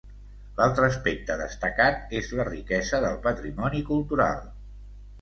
L'altre aspecte destacat és la riquesa del patrimoni cultural.